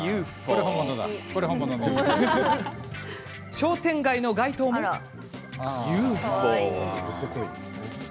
そして、商店街の街灯もＵＦＯ。